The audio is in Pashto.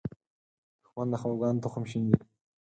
دښمن د خپګان تخم شیندي